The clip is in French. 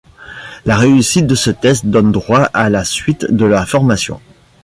La réussite de ce test donne droit à la suite de la formation.